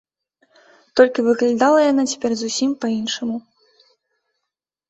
Толькі выглядала яна цяпер зусім па-іншаму.